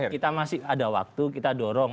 kita masih ada waktu kita dorong